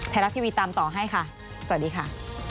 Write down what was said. ไทยรัฐทีวีตามต่อให้ค่ะสวัสดีค่ะ